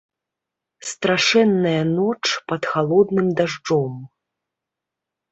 Страшэнная ноч пад халодным дажджом.